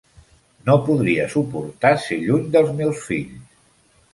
No podria suportar ser lluny dels meus fills.